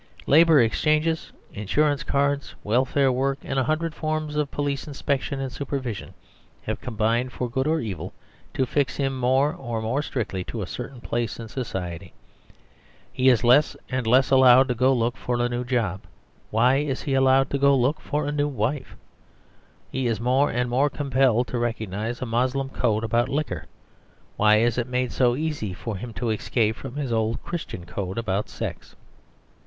Labour Exchanges, Insurance Cards, Welfare Work, and a hundred forms of police inspection and supervision, have combined for good or evil to fix him more and more strictly to a certain place in society. He is less and less allowed to go to look for a new 86 The Superstition of Divorce job ; why is he allowed to go to look for a new wife? He is more and more compelled to recognise a Moslem code about liquor; why is it made so easy for him to escape from his old Christian code about sex?